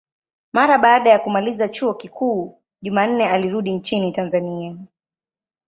Mara baada ya kumaliza chuo kikuu, Jumanne alirudi nchini Tanzania.